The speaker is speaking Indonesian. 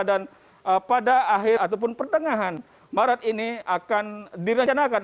dan pada akhir ataupun pertengahan maret ini akan direncanakan